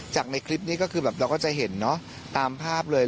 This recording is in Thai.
ในคลิปนี้ก็คือแบบเราก็จะเห็นเนอะตามภาพเลย